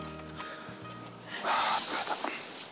ああ疲れた。